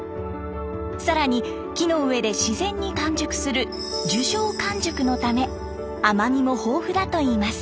更に木の上で自然に完熟する樹上完熟のため甘みも豊富だといいます。